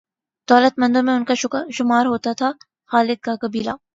دولت مندوں میں ان کا شمار ہوتا تھا۔ خالد کا قبیلہ